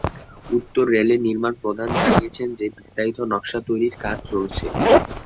উত্তর রেলের নির্মাণ প্রধান জানিয়েছেন, যে বিস্তারিত নকশা তৈরির কাজ চলছে।